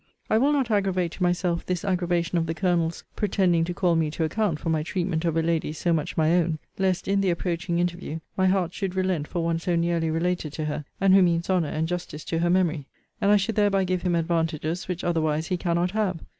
I will not aggravate to myself this aggravation of the Colonel's pretending to call me to account for my treatment of a lady so much my own, lest, in the approaching interview, my heart should relent for one so nearly related to her, and who means honour and justice to her memory; and I should thereby give him advantages which otherwise he cannot have.